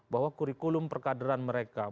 bahwa kurikulum perkaderan mereka